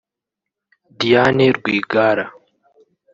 Diane Rwigara